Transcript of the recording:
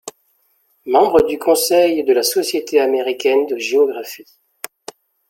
Membre du conseil de la Société américaine de géographie.